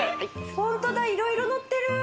ホントだいろいろのってる！